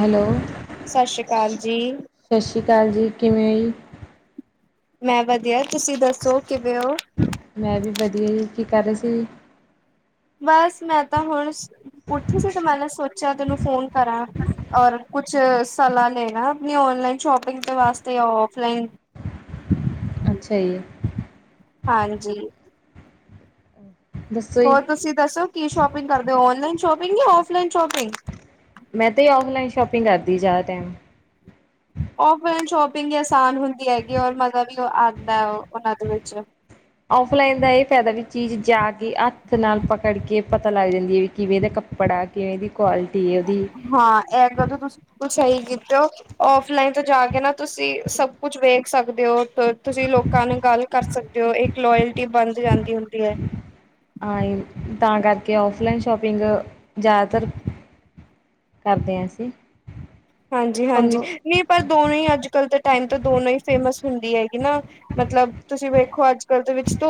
Hello ਸਤਿ ਸ੍ਰੀ ਅਕਾਲ ਜੀ ਸਤਿ ਸ੍ਰੀ ਅਕਾਲ ਜੀ, ਕਿਵੇਂ ਈ? ਮੈਂ ਵਧੀਆ, ਤੁਸੀਂ ਦੱਸੋ ਕਿਵੇਂ ਹੋ ਮੈਂ ਵੀ ਵਧੀਆ ਈ। ਕੀ ਕਰ ਰਹੇ ਸੀ? ਬਸ ਮੈਂ ਤਾਂ ਹੁਣ ਉੱਠੀ ਸੀ, ਤੇ ਮੈਂ ਸੋਚਿਆ ਤੈਨੂੰ ਫੋਨ ਕਰਾਂ ਔਰ ਕੁਛ ਸਲਾਹ ਲੈਣਾ ਅਪਣੀ ਔਨਲਾਈਨ ਸ਼ੋਪਿੰਗ ਦੇ ਵਾਸਤੇ ਯਾ ਔਫਲਾਈਨ। ਅੱਛਾ ਜੀ ਹਾਂਜੀ ਦੱਸੋ ਜੀ ਹੋਰ ਤੁਸੀਂ ਦੱਸੋ ਕੀ ਸ਼ੋਪਿੰਗ ਕਰਦੇ ਹੋ, ਔਨਲਾਈਨ ਸ਼ੋਪਿੰਗ ਜਾਂ ਔਫਲਾਈਨ ਸ਼ੋਪਿੰਗ ਮੈਂ ਤਾਂ, ਔਫਲਾਈਨ ਸ਼ੋਪਿੰਗ ਕਰਦੀ ਜ਼ਿਆਦਾ ਟਾਈਮ ਔਫਲਾਈਨ ਸ਼ੋਪਿੰਗ ਹੀ ਆਸਾਨ ਹੁੰਦੀ ਹੈਗੀ, ਔਰ ਮਜ਼ਾ ਵੀ ਆਉਂਦਾ ਓਹਨਾਂ ਦੇ ਵਿੱਚ। ਔਫਲਾਈਨ ਦਾ ਇਹ ਫਾਇਦਾ ਵੀ ਚੀਜ਼ ਜਾ ਕੇ ਹੱਥ ਨਾਲ ਪਕੜ ਕੇ ਪਤਾ ਲੱਗ ਜਾਂਦੀ ਏ, ਵੀ ਕਿਵੇਂ ਦਾ ਕੱਪ ਕੱਪੜਾ, ਕਿਵੇਂ ਦੀ ਕੁਆਲਿਟੀ ਉਹਦੀ ਹਾਂ, ਐ ਗਲ ਤੇ ਤੁਸੀਂ ਸਹੀ ਕੀਤੇ ਔ। ਔਫਲਾਈਨ ਤੋਂ ਜਾ ਕੇ ਨਾ ਤੁਸੀਂ ਸਭ ਕੁਛ ਵੇਖ ਸਕਦੇ ਹੋ, ਤੁਸੀਂ ਲੋਕਾਂ ਨੇ ਗੱਲ ਕਰ ਸਕਦੇ ਔ, ਇਕ ਲੋਇਲਟੀ ਬੰਜ ਜਾਂਦੀ ਹੁੰਦੀ ਹੈ। ਆਏ, ਤਾਂ ਕਰਕੇ ਔਫਲਾਈਨ ਸ਼ੋਪਿੰਗ ਜਿਆਦਾਤਰ ਕਰਦੇ ਹਾਂ ਅਸੀਂ ਹਾਂਜੀ- ਹਾਂਜੀ, ਤੁਹਾਨੂੰ ਨਹੀਂ ਪਰ ਦੋਵੇ ਹੀ ਅੱਜ-ਕੱਲ ਦੇ ਟਾਈਮ ਤਾਂ ਦੋਨੋ ਹੀ ਫੇਮਸ ਹੁੰਦੀ ਹੈਗੀ ਨਾ। ਮਤਲਬ, ਤੁਸੀਂ ਵੇਖੋ ਅੱਜ- ਕੱਲ ਦੇ ਵਿੱਚ ਤ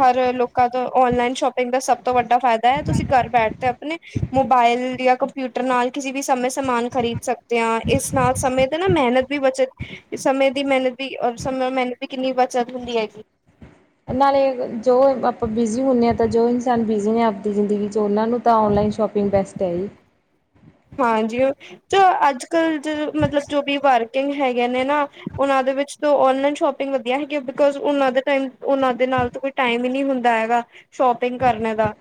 ਹਰ ਲੋਕਾਂ ਤੋਂ ਔਨਲਾਈਨ ਸ਼ੋਪਿੰਗ ਦਾ ਸਭ ਤੋਂ ਵੱਡਾ ਫਾਇਦਾ ਹੈ ਤੁਸੀਂ ਘਰ ਬੈਠਦੇ ਆਪਣੇ ਮੋਬਾਇਲ ਯਾ ਕੰਪਿਊਟਰ ਨਾਲ ਕਿਸੇ ਵੀ ਸਮੇਂ ਸਮਾਨ ਖਰੀਦ ਸਕ ਤੇਆ ਇਸ ਨਾਲ ਸਮੇਂ ਤੇ ਨਾ ਮੈਹਨਤ ਵੀ ਬਚਤ ਸਮੇਂ ਦੀ ਮਿਹਨਤ ਵੀ ਰ ਸਮੇਂ ਮਿਹਨਤ ਦੀ ਕਿੰਨੀ ਬੱਚਤ ਹੁੰਦੀ ਹੈਗੀ ਨਾਲੇ ਜੋ ਆਪਾਂ ਬਿਜ਼ੀ ਹੁੰਦੇ ਹਾਂ ਤਾਂ ਜੋ ਇਨਸਾਨ ਬਿਜ਼ੀ ਨੇ ਆਪਦੀ ਜ਼ਿੰਦਗੀ ' ਉਹਨਾਂ ਨੂੰ ਤਾਂ ਔਨਲਾਈਨ ਸ਼ੋਪ ਸਪਿੰਗ ਬੈਸ ਹੈੀ ਹਾਂਜੀ ਉਹ। ਚ ਅੱਜ ਕੱਲ ਜ ਮਤਲਬ ਜੋ ਵੀ ਵਾਰਕਿੰਗ ਹੈਗੇ ਨੇ ਨਾ ਉਹਨਾਂ ਦੇ ਵਿੱਚ ਨਲਾਈਨ ਸ਼ੋਪਿੰਗ ਵਧੀਆ ਹੈਗੀ ਬਿਕੋਜ ਉਹ ਦੇ ਟਮ ਉਹ ਦੇ ਨਾਲ ਕੋਈ ਟਾਈਮ ਹੀ ਨਹੀਂੀ ਹੁੰਦਾ ਹੈਗਾ ਸ਼ੋਪਿੰਗ ਕਰਨੇ ਦਾ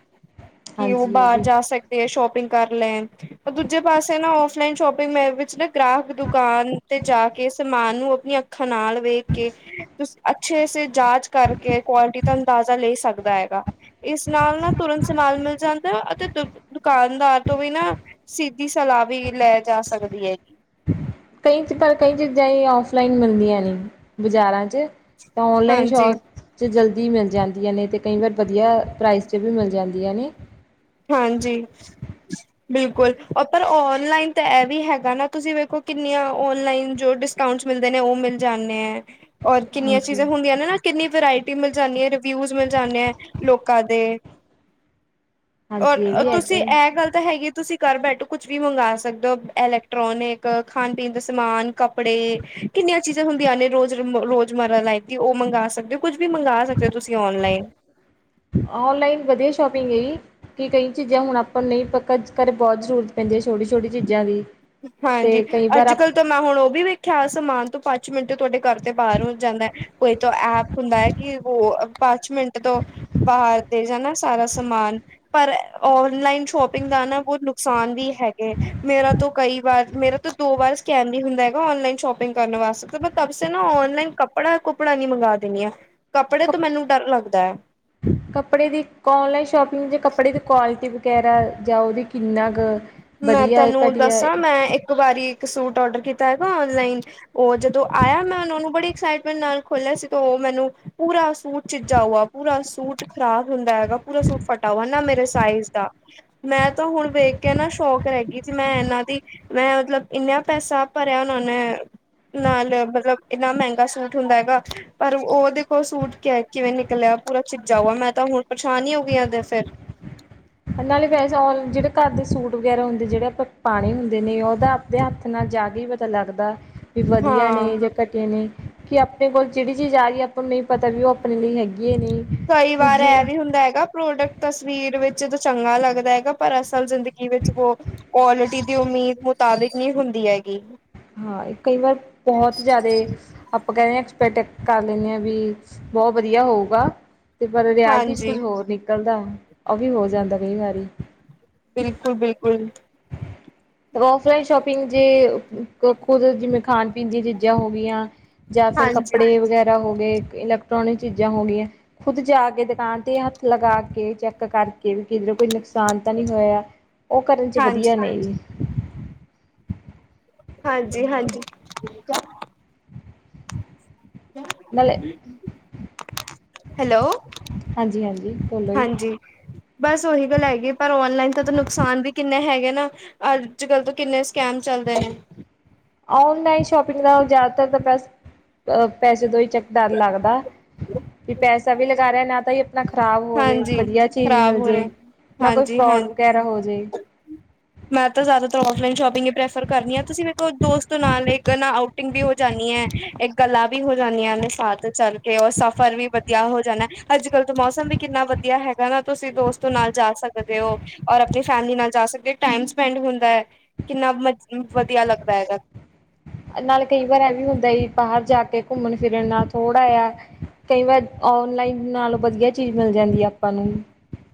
ਕਿ ਔ ਹਾਂਜੀ ਇਹ ਬਾਰ ਵੀ ਜਾ ਸਕਦੇ ਐ, ਸ਼ੋਪਿੰਗ ਕਰ ਲੈਣ। ਔ ਦੂਜੇ ਪਾਸੇ ਨਾ ਔਫਲਾਈਨ ਸ਼ੋਪਿੰਗ ਮੇ ਵਿੱਚ ਨਾ ਗ੍ਰਾਹਕ ਦੁਕਾਨ ਤੇ ਜਾ ਕੇ ਸਮਾਨ ਨੂੰ ਅਪਣੀ ਅੱ ਖਨਾਲ ਵੇਖ ਕੇ ਤੁਸੀਂ ਅੱਛੇ ਸੇ ਜਾਂਚ ਕਰਕੇ ਕੁਆਲਿਟੀ ਦਾ ਅੰਦਾਜ਼ਾ ਲੈ ਸਕਦਾ ਹੈਗਾ। ਇਸ ਨਾਲ ਨਾ ਤੁਰੰਤ ਸਮਾਨ ਮਿਲ ਜਾਂਦਾ ਅਤੇ ਦ ਦੁਕਾਨਦਾਰ ਤੋਂ ਵੀ ਨਾ ਸਿੱਧੀ ਸਲਾਹ ਵੀ ਲੈ ਜਾ ਸਕਦੀ ਹੈਗੀ। ਕਈ ਪਰ ਕਈ ਚੀਜ਼ਾਂ ਹੀ ਔਫਲਾਈਨ ਮਿਲਦੀਆਂ ਨੇ ਬਾਜ਼ਾਰਾਂ 'ਚ ਤਾਂ ਔਨਲਾਈਨ ਹਾਂਜੀ ਸ਼ੋਪ 'ਚ ਜਲਦੀ ਮਿਲ ਜਾਂਦੀਆਂ ਨੇ ਅਤੇ ਕਈ ਵਾਰ ਵਧੀਆ ਪ੍ਰਾਈਜ਼ 'ਚ ਵੀ ਮਿਲ ਜਾਂਦੀਆਂ ਨੇ ਹਾਂਜੀ ਬਿਲਕੁਲ, ਔ ਪਰ ਔਨਲਾਈਨ ਤਾਂ ਐਹ ਵੀ ਹੈਗਾ ਨਾ ਤੁਸੀਂ ਵੇਖੋ ਕਿੰਨੀਆਂ ਔਨਲਾਈਨ ਜੋ ਡਿਸ ਟਾਉੰਸ ਮਿਲਦੇ ਨੇ ਓਹ ਮਿਲ ਜਾਂਣੇ ਐ। ਔਰ ਕਿੰਨੀਆਂ ਹਾਂਜੀ। ਚੀਜ਼ਾਂ ਹੁੰਦੀਆਂ ਨੇ ਨਾ ਕਿੰਨੀ ਵਰਾਇਟੀ ਮਿਲ ਜਾਂਦੀ ਹੈ ਰਿਵਿਊਜ ਮਿਲ ਜਾਂਦੇ ਆ ਲੋਕਾਂ ਦੇ ਹਾਂਜੀ ਇਹ ਔਰ ਵੀ ਤੁਸੀਂ ਹੈਗਾ ਏ ਇਹ ਗੱਲ ਤਾਂ ਹੈਗੀ ਤੁਸੀਂ ਘਰ ਬੈਠੋ ਕੁਛ ਵੀ ਮੰਗਵਾ ਸਕਦੇ ਹੋ ਇਲੈਕਟ੍ਰੋਨਿਕ ਖਾਣ ਪੀਣ ਦੇ ਸਮਾਨ ਕੱਪੜੇ। ਕਿੰਨੀਆਂ ਚੀਜ਼ਾਂ ਹੁੰਦੀਆਂ ਨੇ ਰੋਜ਼ ਰੋਜ਼ਮਾਰਰਾ ਲਾਈਫ ਦੀ ਉਹ ਮੰਗਵਾ ਸਕਦੇ ਹੋ ਕੁੱਝ ਵੀ ਮੰਗਵਾ ਸਕਦੇ ਹੋ ਤੁਸੀਂ ਔਨਲਾਈਨ ਔਨਲਾਈਨ ਵਧੀਆ ਸ਼ੋਪਿੰਗ ਹੈ ਜੀ ਕਿ ਕਈ ਚੀਜ਼ਾਂ ਹੁਣ ਆਪਾਂ ਨਹੀਂ ਪੱਕਜ ਕਰ ਬੋਤ ਜ਼ਰੂਰਤ ਪੈਂਦੀ ਏ ਛੋਟੀ-ਛੋਟੀ ਚੀਜ਼ਾਂ ਦੀ। ਹਾਂਜੀ, ਤੇ ਕਈ ਵਾਰ ਆਪ ਅੱਜ-ਕੱਲ੍ਹ ਤਾਂ ਮੈਂ ਹੁਣ ਓਹ ਵੀ ਵੇਖਿਆ ਸਮਾਨ ਤੋਂ ਪਾ ਚ ਮਿੰਟ ਤੁਐਡੇ ਘਰ ਤੇ ਬਾਰੋ ਜਾਂਦੈ। ਕੋਈ ਤਾਂ ਐਪ ਹੁੰਦਾ ਐ ਕਿ ਵੋ ਪਾਚ ਮਿੰਟ ਤੋਂ ਬਾਹਰ ਤੇ ਜਾਂ ਨਾ ਸਾਰਾ ਸਮਾਨ। ਪਰ ਔਨਲਾਈਨ ਸ਼ੋਪਿੰਗ ਦਾ ਨਾ ਬਹੁਤ ਨੁਕਸਾਨ ਵੀ ਹੈਗੇ ਮੇਰਾ ਤੋਂ ਕਈ ਵਾਰ ਮੇਰਾ ਤਾਂ ਦੋ ਵਾਰ ਸਕੈਮ ਵੀ ਹੁੰਦਾ ਹੈਗਾ ਔਨਲਾਈਨ ਸ਼ੋਪਿੰਗ ਕਰਨ ਵਾਸਤੇ ਤਾਂ ਮੈਂ ਤਬੇ ਨਾ ਔਨਲਾਈਨ ਕ ਕੱਪੜਾ ਕੁੱਪੜਾ ਨੀ ਮੰਗਵਾ ਦਿੰਦੀ ਹ ਕੱਪੜੇ ਕੱਪ ਤੋਂ ਮੈਨੂੰ ਡਰ ਲੱਗਦਾ ਹੈ ਕੱਪੜੇ ਦੀ ਔਨਲਾਈਨ ਸ਼ੋਪਿੰਗ ਜਾਂ ਕੱਪੜੇ ਦੀ ਕੁਆਲਿਟੀ ਵਗੈਰਾ ਜਾਂ ਉਹਦੀ ਕਿੰਨਾ ਕੁ ਮੈਂ ਵਧੀਆ ਤੁਐਨੂੰ ਘਟੀਆ ਦੱਸਾਂ ਮੈਂ ਇੱਕ ਵਾਰੀ ਇੱਕ ਸੂਟ ਔਡਰ ਕੀਤਾ ਹੈਗਾ ਔਨਲਾਈਨ। ਓਹ ਜਦੋਂ ਆਯਾ ਮੈਂ ਓਨਾ ਨੂੰ ਬੜੀ ਐਕਸਾਈਟਮੈਂਟ ਨਾਲ ਖੋਲਿਆ ਸੀ ਤੇ ਓਹ ਮੈਨੂੰ ਪੂਰਾ ਸੂਟ ਛਿਜਾ ਹੂਆ ਪੂਰਾ ਸੂਟ ਖ਼ਰਾਬ ਹੁੰਦਾ ਹੈਗਾ, ਪੂਰਾ ਸੂਟ ਫਟਾ ਵਾ ਨਾ ਮੇਰੇ ਸਾਈਜ਼ ਦਾ। ਮੈਂ ਤਾਂ ਹੁਣ ਵੇਖ ਕੇ ਨਾ ਤੋਕ ਰੈ ਗੀ ਸੀ ਮੈਂ ਐਨਾਂ ਦੀ ਮੈਂ ਮਤਲਬ ਇੰਨਾ ਪੈਸਾ ਭਰਿਆ, ਓਹਨਾਂ ਨੇ ਨਾਲ ਮਤਲਬ ਇੰਨਾ ਮੈੰਗਾ ਸੂਟ ਹੁੰਦਾ ਹੈਗਾ। ਪਰ ਔ ਓਦੇ ਕੋਲ ਸੂਟ ਕੈ ਕਿਵੇਂ ਨਿਕਲਿਆ ਪੂਰਾ ਫਿਟ ਜਾਵਾ ਮੈਂ ਤਾਂ ਹੁਣ ਪਰੇਸ਼ਾਨ ਈ ਹੋ ਗਈ ਆ ਅਦੇ ਫੇਰ। ਨਾਲੇ ਵੈਸਾ ਔਲ ਜੇੜੇ ਘਰ ਦੇ ਸੂਟ ਵਗੈਰਾ ਹੁੰਦੇ ਜੇੜੇ ਅਪਾ ਪਾਣੇ ਹੁੰਦੇ ਨੇ ਓਹਦਾ ਦੇ ਹੱਥ ਨਾਲ ਜਾ ਕੇ ਹੀ ਪਤਾ ਲੱਗਦਾ ਵੀ ਵਧੀਆ ਹਾਂ ਨੇ ਜਾਂ ਘਟੇ ਨੇ ਕਿ ਆਪਣੇ ਕੋਲ ਜੇੜੀ ਚੀਜ਼ ਆ ਰੀ ਹੈ ਆਪਾਂ ਨੂੰ ਨਹੀਂ ਪਤਾ ਵੀ ਓਹ ਆਪਣੇ ਲਈ ਹੈਗੀ ਏ ਨਹੀਂ। ਕਈ ਵਾਰ ਦੂਜੀ ਐਂ ਵੀ ਹੁੰਦਾ ਹੈਗਾ। ਪ੍ਰੋਡਕਟ ਤਸਵੀਰ ਵਿੱਚ ਤਾਂ ਚੰਗਾ ਲੱਗਦਾ ਹੈਗਾ ਪਰ ਅਸਲ ਜ਼ਿੰਦਗੀ ਵਿੱਚ ਵ ਕੁਆਲਿਟੀ ਦੀ ਉਮੀਦ ਮੁਤਾਬਿਕ ਨਹੀਂ ਹੁੰਦੀ ਹੈਗੀ ਹਾਂ ਇਹ ਕਈ ਵਾਰ ਬਹੁਤ ਜ਼ਿਆਦਾ ਆਪਾਂ ਕਹਿੰਦੇ ਹਾਂ ਐਕਸਪੈਕਟ ਕਰ ਲੈਂਦੇ ਹਾਂ ਵੀ, ਬਹੁਤ ਵਧੀਆ ਹੋਊਗਾ ਤੇ ਪਰ ਰਿਐਲਟੀ ਚ ਹਾਂਜੀ ਕੁਛ ਹੋਰ ਨਿਕਲਦਾ। ਉਹ ਵੀ ਹੋ ਜਾਂਦਾ ਕਈ ਵਾਰੀ। ਬਿਲਕੁਲ- ਬਿਲਕੁਲ। ਫਲਾਈਨ ਸ਼ੋਪਿੰਗ ਜੇ ਖੁਦ, ਜਿਵੇਂ ਖਾਣ- ਪੀਣ ਦੀ ਚੀਜ਼ਾਂ ਹੋ ਗਈਆਂ। ਜਾਂ ਫੇਰ ਹਾਂਜੀ ਕੱਪੜੇ ਵਗੈਰਾ ਹੋ ਗਏ, ਇਲੈਕਟ੍ਰੋਨਿਕ ਚੀਜ਼ਾਂ ਹੋ ਗਈਆਂ। ਖੁੱਦ ਜਾ ਕੇ, ਦੁਕਾਨ ਤੇ ਹੱਥ ਲਗਾ ਕੇ ਚੈੱਕ ਕਰਕੇ, ਵੀ ਕਿਧਰ ਕੋਈ ਨੁਕਸਾਨ ਤਾਂ ਨਹੀਂ ਹੋਇਆ। ਉਹ ਕਰਨ ਚ ਹਾਂਜੀ ਵਧੀਆ ਨੇ ਜੀ। ਹਾਂਜੀ- ਹਾਂਜੀ। ਨਾਲ ਲੇ, ਹੈਲੋ ਹਾਂਜੀ ਬੋਲੋ ਜੀ ਹਾਂਜੀ, ਬਸ ਉਹੀ ਗੱਲ ਹੈਗੀ, ਪਰ ਔਨਲਾਈਨ ਦਾ ਤਾਂ ਨੁਕਸਾਨ ਵੀ ਕਿੰਨੇ ਹੈਗੇ ਨਾ। ਅੱਜ ਕੱਲ ਤੋਂ ਕਿੰਨੇ ਸਕੈਮ ਚੱਲਦੇ ਨੇ। ਔਨਲਾਈਨ ਸ਼ੋਪਿੰਗ ਨਾਲ ਜੈਦਾਤਰ ਤਾਂ ਪਸ ਅ ਪੈਸੇ ਦੋ ਈ ਚੱਕ ਡਰ ਲੱਗਦਾ, ਵੀ ਪੈਸਾ ਵੀ ਲਗਾ ਰਿਹਾ ਨਾ ਤਾਂ ਹੀ, ਨਾ ਖ਼ਰਾਬ ਹੋਵੇ, ਹਾਂਜੀ ਵਧੀਆ ਚੀਜ਼ ਖ਼ਰਾਬ ਮਿਲ ਹੋ ਰਹੇ ਜਾਏ ਨਾ ਕੋਈ ਹਾਂਜੀ ਫਰੋਡ ਹਾਂਜੀ ਵਗੈਰਾ ਹੋ ਜਾਵੇ। ਮੈਂ ਤਾਂ ਜ਼ਿਆਦਾਤਰ ਔਫਲਾਈਨ ਸ਼ੋਪਿੰਗ ਹੀ ਪ੍ਰੈਫਰ ਕਰਨੀ ਹਾਂ। ਤੁਸੀਂ ਮੇਰੇ ਕੋ ਦੋਸਤ ਨਾਲ, ਨਾ ਆਊਟਿੰਗ ਵੀ ਹੋ ਜਾਂਣੀ ਏ, ਇੱਕ ਗੱਲਾਂ ਵੀ ਹੋ ਜਾਂਦੀਆਂ ਨੇ ਸਾਥ ਚੱਲ ਕੇ, ਔਰ ਸਫ਼ਰ ਵੀ ਵਧੀਆ ਹੋ ਜਾਣਾ, ਅੱਜ ਕੱਲ ਤਾਂ ਮੌਸਮ ਵੀ ਕਿੰਨਾ ਵਧੀਆ ਹੈਗਾ ਨਾ, ਤੁਸੀਂ ਦੋਸਤੋ ਨਾਲ ਜਾ ਸਕਦੇ ਹੋ। ਔਰ ਅਪਣੀ ਫੈਮਲੀ ਨਾਲ ਜਾ ਸਕਦੇ ਹੋ। ਟਾਈਮ ਸਪੈਂਡ ਹੁੰਦਾ ਹੈ, ਕਿੰਨਾ ਮਜ ਵਧੀਆ ਲੱਗਦਾ ਹੈਗਾ। ਨਾਲ ਕਈ ਵਾਰ ਐ ਵੀ ਹੁੰਦਾ ਬਾਹਰ ਜਾ ਕੇ, ਘੁੰਮਣ ਫੇਰਨ ਨਾਲ ਥੋੜਾ ਜਿਹਾ, ਕਈ ਵਾਰ ਔਨਲਾਈਨ ਨਾਲੋਂ ਵਧੀਆ, ਚੀਜ਼ ਮਿਲ ਜਾਂਦੀ ਆਪਾਂ ਨੂੰ।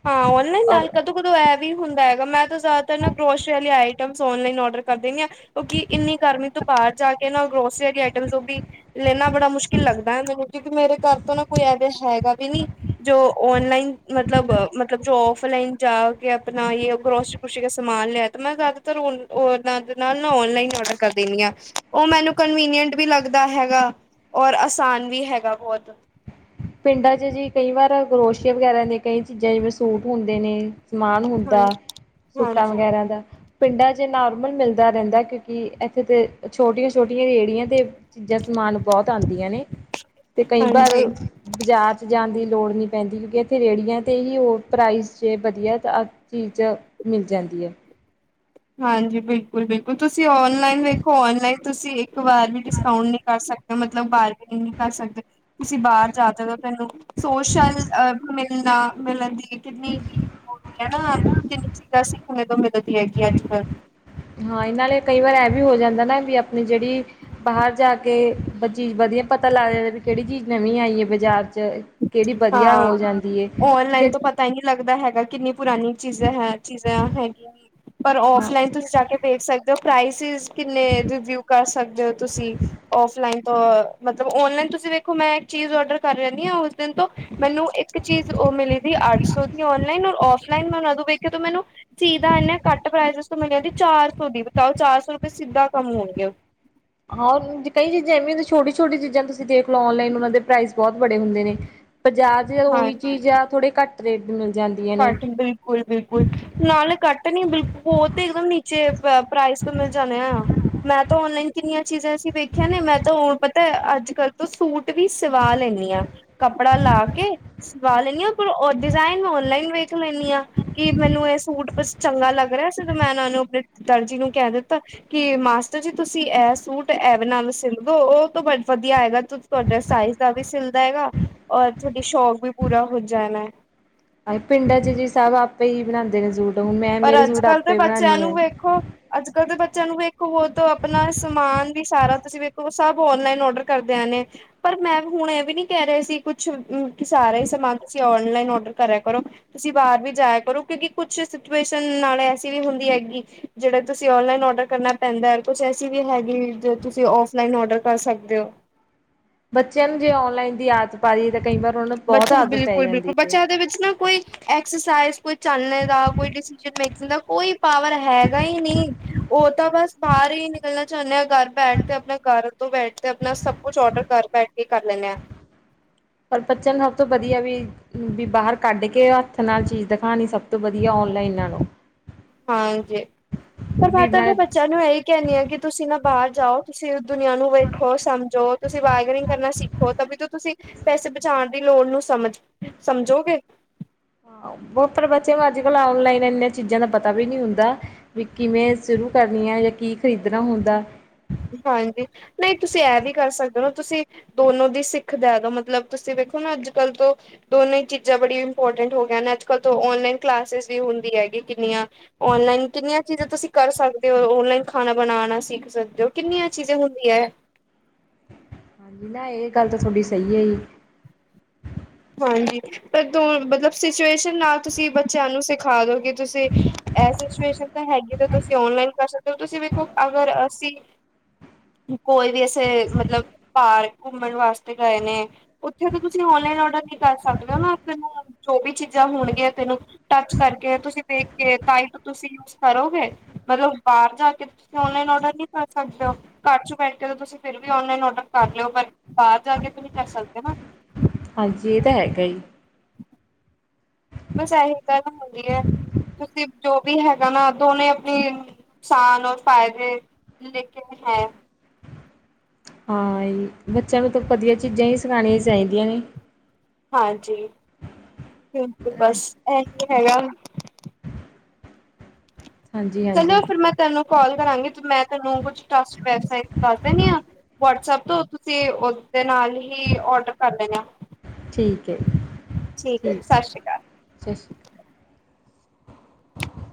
ਹਾਂ, ਉਹਨਾਂ ਨਾ ਔਰ ਨਾਈਕ- ਕਦੋਂ ਇਹ ਵੀ ਹੁੰਦਾ ਹੈਗਾ। ਮੈਂ ਤਾਂ ਜ਼ਿਆਦਾਤਰ ਨਾ ਗਰੋਸ਼ਰੀ ਵਾਲੇ ਆਈਟਮਸ ਔਨਲਾਈਨ ਔਡਰ ਕਰ ਦੇਿੰਦੀ ਹਾਂ। ਕਿਉਂਕਿ ਇੰਨੀ ਗਰਮੀ ਤੋਂ ਬਾਹਰ ਜਾ ਕੇ ਨਾ, ਗਰੋਸਰੀਆਂ ਦੀ ਆਈਟਮ ਤੋਂ ਵੀ ਲੈਣਾ ਬੜਾ ਮੁਸ਼ਕਿਲ ਲੱਗਦਾ ਹੈ। ਮੈਨੂੰ ਕਿਉਂਕਿ ਮੇਰੇ ਘਰ ਤੋਂ ਨਾ ਕੋਈ ਐਦੇ ਹੈਗਾ ਵੀ ਨੀ। ਜੋ ਔਨਲਾਈਨ ਮਤਲਬ, ਮਤਲਬ ਜੋ ਔਫਲਾਈਨ ਜਾ ਕੇ ਆਪਣਾ ਗਰੋਸਰੀ- ਗੂਸ਼ਰੀ ਦਾ ਸਮਾਨ ਲਿਆ। ਤਾਂ ਮੈਂ ਜ਼ਿਆਦਾ, ਤਰ ਨਾਲੋ-ਨਾਲ ਓਨਲਾਈਨ ਓਡਰ ਕਰ ਦਿੰਦੀ ਆ। ਉਹ ਮੈਨੂੰ ਕਨਵੀਨੀਂਟ ਵੀ ਲੱਗਦਾ ਹੈਗਾ। ਔਰ ਆਸਾਨ ਵੀ ਹੈਗਾ ਬਹੁਤ। ਪਿੰਡਾਂ ਚ ਜੀ ਕਈ ਵਾਰ ਗਰੋਸ਼ਆ ਵਗੈਰਾ ਨੇ, ਕਈ ਚੀਜ਼ਾਂ ਜਿਵੇਂ ਸੂਟ ਹੁੰਦੇ ਨੇ, ਸਮਾਨ ਹੁੰਦਾ, ਹਾਂਜੀ ਸੂਟਾਂ ਹਾਂਜੀ ਵਗੈਰਾ ਦਾ, ਪਿੰਡਾਂ ਚ ਨੋਰਮਲ ਮਿਲਦਾ ਰਹਿੰਦਾ। ਕਿਉਂਕਿ ਇੱਥੇ ਤੇ ਛੋਟੀਆਂ- ਛੋਟੀਆਂ ਰੇੜੀਆਂ ਤੇ, ਚੀਜ਼ਾਂ ਸਮਾਨ ਬਹੁਤ ਆਉਂਦੀਆਂ ਨੇ, ਤੇ ਕਈ ਵਾਰ, ਹਾਂਜੀ ਬਾਜ਼ਾਰ ਚ ਜਾਣ ਦੀ ਲੋੜ ਨਹੀਂ ਪੈਂਦੀ। ਕਿਉਂਕਿ ਇੱਥੇ ਰੇਹੜੀਆਂ ਤੇ ਹੀ ਉਹ ਪ੍ਰਾਈਸ ਜੇ ਵਧੀਆ, ਚੀਜ਼ਾਂ ਮਿਲ ਜਾਂਦੀਆਂ ਹੈ। ਹਾਂਜੀ, ਬਿਲਕੁਲ- ਬਿਲਕੁਲ ਤੁਸੀਂ ਔਨਲਾਈਨ ਵੇਖੋ ਔਨਲਾਈਨ, ਤੁਸੀਂ ਇੱਕ ਵਾਰ ਵੀ ਡਿਸਕਾਊਂਟ ਨਹੀਂ ਕਰ ਸਕਦੇ, ਮਤਲਬ ਬਾਰਗਨਿੰਗ ਨਹੀਂ ਕਰ ਸਕਦੇ। ਤੁਸੀਂ ਬਾਰ ਜਾ ਜਗੈ ਤੇ ਐਨੂੰ ਸੋਸ਼ਲ ਆ ਮਿਲ ਨਾ ਮਿਲਣ ਦੀ ਕਿੰਨੀ ਵੀ ਉਹ ਹੋਂਦੀ ਹੈ, ਜਿੰਨੀ ਚੀਜ਼ਾਂ ਸਿੱਖਣ ਤੋਂ ਮਿਲਦੀ ਹੈਗੀਆਂ। ਹਾਂ। ਹਾਂ ਇਹ ਨਾਲੇ ਕਈ ਵਾਰ ਇਹ ਵੀ ਹੋ ਜਾਂਦਾ ਨਾ ਵੀ, ਆਪਣੀ ਜਿਹੜੀ ਬਾਹਰ ਜਾ ਕੇ ਚੀਜ਼ ਵਧੀਆ ਪਤਾ ਲੱਗ ਜਾਂ ਵੀ, ਕਿਹੜੀ ਚੀਜ਼ ਨਵੀਂ ਆਈ ਹੈ ਬਾਜ਼ਾਰ ਚ। ਕਿਹੜੀ ਵਧੀਆ ਹੋ ਜਾਂਦੀ ਹੈ ਕਿਉਂਕ, ਤਾਂ ਹੀ ਨਹੀਂ ਲੱਗਦਾ ਹੈਗਾ, ਕਿੰਨੀ ਪੁਰਾਣੀ ਚੀਜ਼ਾਂ ਹੈ ਚੀਜ਼ਾਂ ਹੈਗੀਆਂ। ਪਰ ਹਾਂ ਫਲਾਈਨ ਤੁਸੀਂ ਜਾ ਕੇ, ਵੇਖ ਸਕਦੇ ਹੋ, ਪ੍ਰਾਈਸਿਸ ਕਿੰਨੇ ਰਿਵਿਊ ਕਰ ਸਕਦੇ ਹੋ ਤੁਸੀਂ ਫਲਾਈਨ। ਮਤਲਬ ਓਨਲਾਈਨ ਤੁਸੀਂ ਵੇਖੋ ਮੈਂ ਇੱਕ ਚੀਜ਼ ਔਡਰ ਕਰ ਰਹਦੀ ਹਾਂ, ਉਸ ਦਿਨ ਤੋਂ, ਮੈਨੂੰ ਇੱਕ ਚੀਜ਼ ਉਹ ਮਿਲੀ ਸੀ ਅੱਠ ਸੌ ਦੀ ਨਲਾਈਨ, ਔਰ ਫਲਾਈਨ ਮੈਂਦੋਂ ਵੇਖ ਕੇ ਤੋਂ ਮੈਨੂੰ ਚੀ ਦਾ ਇਨੇ ਘੱਟ ਪ੍ਰਾਈਸ ਇਸਤੋਂ ਮੰਗੈਦੀ ਚਾਰ ਸੌ ਦੀ, ਬਤਾਓ ਚਾਰ ਸੌ ਰੁਪਏ ਸਿੱਧਾ ਕੰਮ ਹੋਣਗੇ। ਹਾਂ, ਉੰਝ ਕਈ ਚੀਜ਼ਾਂ ਐਵੇਂ ਹੁੰਦੀ ਛੋਟੀ-ਛੋਟੀ ਚੀਜ਼ਾਂ ਤੁਸੀਂ ਦੇਖ ਲੋ ਔਨਲਾਈਨ ਉਹਨਾਂ ਦੇ ਪ੍ਰਾਈਸ ਬੌਤ ਬੜੇ ਹੁੰਦੇ ਨੇ। ਬਜਾਰ ਚ ਉਹੀ ਹਾਂਜੀ। ਚੀਜ਼ ਆ ਥੋੜੇ ਘੱਟ ਰੇਟ ਦੀ ਮਿਲ ਜਾਂਦੀਆਂ ਨੇ। ਬਿਲਕੁਲ- ਬਿਲਕੁਲ ਨਾਲੇ ਕੱਟਣੀ ਬਿਲਕੁਲ ਬਹੁ ਤੇ ਇੱਕਦਮ ਨੀਚੇ, ਪ੍ਰਾਈਜ਼ ਤੋਂ ਮਿਲ ਜਾਂਦੇ ਆ। ਮੈਂ ਤਾਂ ਔਨਲਾਈਨ ਕਿੰਨੀਆਂ ਚੀਜ਼ਾਂ ਅਸੀਂ ਵੇਖੀਆਂ ਨੇ ਮੈਂ ਤਾਂ ਹੁਣ ਪਤਾ, ਅੱਜ ਕੱਲ੍ਹ ਤੋਂ ਸੂਟ ਵੀ ਸਵਾ ਲੈਂਦੀ ਹਾਂ, ਕੱਪੜਾ ਲਾ ਕੇ, ਸਵਾ ਲੈਂਦੀ ਹਾਂ, ਪਰ ਡਿਜ਼ਾਇਨ ਔਨਲਾਈਨ ਵੇਖ ਲੈਂਦੀ ਹਾਂ। ਕਿ ਮੈਨੂੰ ਇਹ ਸੂਟ ਕੁ ਚੰਗਾ ਲੱਗ ਰਿਹਾ ਸੀ ਦੋਂ ਮੈਂ ਇਹਨਾਂ ਨੂੰ ਆਪਣੇ ਦਰਜੀ ਨੂੰ ਕਹਿ ਦਿੱਤਾ। ਕਿ ਮਾਸਟਰ ਜੀ ਤੁਸੀਂ ਐ ਸੂਟ ਐਵੇਨਾ ਸਿੰਨਦੋ, ਓਹ ਤੋ ਵਧ ਵਧੀਆ ਹੈਗਾ। ਤੁਤ ਤੁਹਾਡਾ ਸਾਈਜ਼ ਦਾ ਵੀ ਸਿਲਦਾ ਹੈਗਾ, ਔਰ ਤੁਹਾਡੀ ਸ਼ੌਕ ਵੀ ਪੂਰਾ ਹੋ ਜਾਣਾ। ਆ ਪਿੰਡਾਂ ਚ' ਜੀ ਸਭ ਆਪੇ ਹੀ ਬਣਾਉਂਦੇ ਨੇ ਸੂਟ ਹੁਣ ਮੈਂ ਮੇਰੇ ਸੂਟ ਆਪੇ ਹੀ ਬਣਾਉਦੀ ਆ। ਹੋ ਅੱਜ ਕੱਲ੍ਹ ਦੇ ਬੱਚਿਆਂ ਨੂੰ ਵੇਖੋ ਬਤ ਆਪਣਾ ਸਮਾਨ ਵੀ ਸਾਰਾ ਤੁਸੀਂ ਵੇਖੋ ਸਭ ਔਨਲਾਈਨ ਔਡਰ ਕਰਦੇਿਆਂ ਨੇ। ਪਰ ਮੈਂ ਹੁਣ ਇਹ ਵੀ ਨੀ ਕਹਿ ਰਿਹਾ ਸੀ ਕੁਛ ਸਾਰਾ ਹੀ ਸਮਾਨ ਤੁਸੀਂ ਓਨਲਾਈਨ ਔਡਰ ਕਰਿਆ ਕਰੋ। ਤੁਸੀਂ ਬਾਰ ਵੀ ਜਾਇਆ ਕਰੋ, ਕਿਉਂਕਿ ਕੁਛ ਸਿਚੁਏਸ਼ਨ ਨਾਲ ਐਸੀ ਵੀ ਹੁੰਦੀ ਹੈਗੀ, ਜਿਹੜੇ ਤੁਸੀਂ ਔਨਲਾਈਨ ਔਡਰ ਕਰਨਾ। ਪੈਂਦਾ, ਕੁਛ ਐਸੀ ਵੀ ਹੈਗੀ ਜੋ ਤੁਸੀਂ ਫਲਾਈਨ ਔਡਰ ਕਰ ਸਕਦੇ ਹੋ। ਬੱਚਿਆਂ ਨੂੰ ਜੇ ਔਨਲਾਈਨ ਦੀ ਆਦਤ ਪਾ ਰਹੀ ਹੈ ਤਾਂ ਕਈ ਵਾਰ ਉਹਨਾਂ ਨੂੰ ਬਹੁਤ ਆਦਤ ਪੈ ਜਾਂਦੀ ਹੈ। ਬੱਚਾਯਾ ਵਿੱਚ ਨਾ ਕੋਈ ਐਕਸਸਾਈਜ਼ ਕੋਈ ਚੱਲਣ ਦਾ, ਕੋਈ ਡਿਸੀਜ਼ ਮੇਕਿੰਗ ਦਾ ਕੋਈ ਪਾਵਰ ਹੈਗਾ ਹੀ ਨਹੀਂ। ਉਹ ਤਾਂ ਬਸ ਬਾਹਰ ਹੀ ਨਿਕਲਣਾ ਚਾਹੁੰਦੇ ਆ ਘਰ ਬੈਠ ਕੇ ਆਪਣਾ ਘਰ ਤੋਂ ਬੈਠ ਕੇ ਆਪਣਾ ਸਭ ਕੁਛ ਔਡਰ ਕਰ ਬੈਠ ਕੇ ਕੀ ਕਰ ਲੈਂਣੇ ਹਾਂ। ਪਰ ਬੱਚਿਆਂ ਸਭ ਤੋਂ ਵਧੀਆ ਵੀ। ਵੀ ਬਾਹਰ ਕੱਢ ਕੇ ਹੱਥ ਨਾਲ ਚੀਜ਼ ਦਿਖਾਉਣੀ ਸਭ ਤੋਂ ਵਧੀਆ, ਓਨਲਾਈਨ ਨੂੰ। ਹਾਂ ਜੀ, ਪਰ ਵੀ ਵਾਤਾਵਰਨ ਮੈਂ ਬੱਚਿਆਂ ਨੂੰ ਇਹੀ ਕਹਿਿੰਦੀ ਆ ਕਿ ਤੁਸੀਂ ਨਾ ਬਾਹਰ ਜਾਓ, ਤੁਸੀਂ ਦੁਨੀਆਂ ਨੂੰ ਵੇਖੋ, ਸਮਝੋ, ਤੁਸੀਂ ਬਾਰਗਨਿੰਗ ਕਰਨਾ ਸਿੱਖ ਖੋ ਤ ਵੀ ਤੋਂ ਤੁਸੀਂ ਪੈਸੇ ਬਚਾਉਣ ਦੀ ਲੋੜ ਨੂੰ ਸਮਝ ਸਮਝੋਗੇ। ਪ ਬੱਚਿਆਂ ਨੂੰ ਅੱਜ ਕੱਲ ਨਲਾਈਨ ਇਨਨਾਂ ਚੀਜ਼ਾਂ ਦਾ ਪਤਾ ਵੀ ਨਹੀਂ ਹੁੰਦਾ। ਵੀ ਕਿਵੇਂ ਸ਼ੁਰੂ ਕਰਨੀ ਆ ਜਾਂ ਕੀ ਖ਼ਰੀਦਣਾ ਹੁੰਦਾ। ਹਾਂਜੀ, ਨਹੀਂ ਤੁਸੀਂ ਇਹ ਵੀ ਕਰ ਸਕਦੇ ਹੋ ਨਾ ਤੁਸੀਂ ਦੋਨੋ ਦੀ ਸਿੱਖਦਾਗਾ, ਮਤਲਬ ਤੁਸੀਂ ਵੇਖੋ ਨਾ ਅੱਜ ਕੱਲ੍ਹ ਤੋਂ ਦੋਨੋਂ ਹੀ ਚੀਜ਼ਾਂ ਬੜੀ ਇੰਪੋਰਟੈਂਟ ਹੋ ਗ ਨੇ, ਅੱਜ ਕੱਲ੍ਹ ਤੋਂ ਔਨਲਾਈਨ ਕਲਾਸਿਸ ਵੀ ਹੁੰਦੀ ਹੈਗੀ ਕਿੰਨੀਆਂ। ਔਨਲਾਈਨ ਕਿੰਨੀਆਂ ਚੀਜ਼ਾਂ ਤੁਸੀਂ ਕਰ ਸਕਦੇ ਹੋ, ਔਨਲਾਈਨ ਖਾਣਾ ਬਣਾਣਾ ਸਿੱਖ ਸਕਦੇ ਹੋ। ਕਿੰਨੀਆਂ ਚੀਜ਼ਾਂ ਹੁੰਦੀ ਹੈ। ਹੀ ਨਾ ਇਹ ਗੱਲ ਤਾਂ ਤੁਹਾਡੀ ਸਹੀ ਹੈ ਜ। ਹਾਂਜੀ, ਪਰੂੰ ਮਤਲਬ ਸਿਚੁਏਸ਼ਨ ਨਾਲ ਤੁਸੀਂ ਬੱਚਿਆਂ ਨੂੰ ਸਿਖਾ ਦੋਗੇ। ਤੁਸੀਂ ਇਹ ਸਿਚੁਏਸ਼ਨ ਤਾਂ ਹੈਗੀ ਤੁਸੀਂ ਓਨਲਾਈਨ ਕਰ ਸਕਦੇ ਹੋ ਤੁਸੀਂ ਵੇਖੋ, ਅਗਰ ਅਸੀਂ ਕੋਈ ਵੀ ਅਸੀਂ, ਮਤਲਬ, ਪਾਰਕ ਘੁੰਮਣ ਵਾਸਤੇ ਗਏ ਨੇ। ਉੱਥੇ ਤਾਂ ਤੁਸੀਂ ਔਨਲਾਈਨ ਔਡਰ ਕੀ ਕਰ ਸਕਦੇ ਹੋ ਨਾ ਤੈਨੂੰ ਜੋ ਵੀ ਚੀਜ਼ਾਂ ਹੋਣਗੀਆਂ ਤੈਨੂੰ ਟੱਚ ਕਰਕੇ, ਤੁਸੀਂ ਵੇਖ ਕੇ, ਤਾਈ ਤੁਸੀਂ ਯੂਜ ਕਰੋਗੇ। ਮਤਲਬ ਬਾਹਰ ਜਾ ਕੇ ਤੁਸੀਂ ਓਨਲਾਈਨ ਔਡਰ ਨਹੀਂ ਕਰ ਸਕਦੇ ਹੋ। ਘਰ ਚੋਂ ਬੈਠ ਕੇ ਤੁਸੀਂ ਫਿਰ ਵੀ ਨਲਾਈਨ ਔਡਰ ਕਰ ਲਿਓ ਪਰ, ਬਾਹਰ ਜਾ ਕੇ ਫ ਨੀ ਕਰ ਸਕਦੇ। ਹਾਂਜੀ, ਇਹ ਤਾਂ ਹੈਗਾ ਹੀ। [inaudible] ਬਸ ਇਹ ਗੱਲ ਹੋ ਦੀ ਹੈ। ਤੁਸੀਂ ਜੋ ਵੀ ਹੈਗਾ ਨਾ ਦੋਨੇ, ਆਪਣੀ, ਨੁਕਸਾਨ ਔਰ ਫਾਇਦੇ ਲੈ ਕੇ ਹੈ। ਹਾਂ, ਬੱਚਿਆਂ ਨੂੰ ਤਾਂ ਵਧੀਆ ਚੀਜ਼ਾਂ ਹੀ ਸਿਖਾਉਣੀਆਂ ਚਾਹੀਦੀਆਂ ਨੇ। ਹਾਂਜੀ। ਬਿਲਕੁਲ ਬਸ, ਇਹੀ ਹੈਗਾ। ਹਾਂਜੀ ਚਲੋ ਹਾਂਜੀ ਫਿਰ ਮੈਂ ਤੈਨੂੰ ਕਾਲ ਕਰਾਂਗੀ ਮੈਂ ਤੈਨੂੰ ਕੁਛ ਟੱਸਟ ਵੈਬਸਾਈਟ ਦੱਸ ਦੰਦੀ ਹਾਂ। ਵਟਸਐਪ ਤੋਂ ਤੁਸੀਂ ਉਸਦੇ ਨਾਲ ਹੀ ਔਡਰ ਕਰ ਲੈਣਾ। ਠੀਕ ਏ। ਠੀਕ ਹੈ ਸਤਿ ਸ਼੍ਰੀ ਅਕਾਲ। ਸਾਸ